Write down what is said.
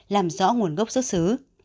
làm rõ nguồn gốc xuất xứ